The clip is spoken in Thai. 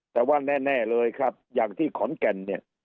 แต่ว่าแน่เลยครับอย่างที่ขอนแก่นเนี่ย